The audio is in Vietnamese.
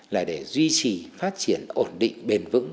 là để duy trì phát triển ổn định bền vững